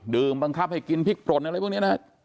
ดื่มบังคับให้กินพริกปรดอะไรพวกนี้นะครับ